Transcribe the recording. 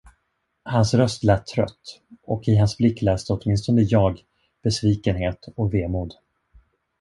Hans röst lät trött, och i hans blick läste åtminstone jag besvikenhet och vemod.